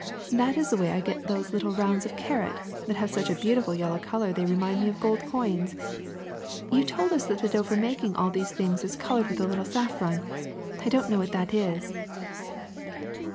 That is the way I get those little rounds of carrot that have such a beautiful yellow color they remind me of gold coins. You told us that the dough for making all these things is colored with a little saffron. I don't know what that is."